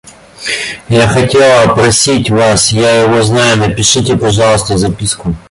Я хотела просить вас, я его знаю, напишите, пожалуйста, записку.